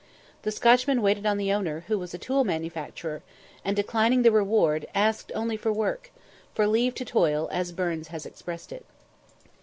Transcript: The Scotchman waited on the owner, who was a tool manufacturer, and, declining the reward, asked only for work, for "leave to toil," as Burns has expressed it.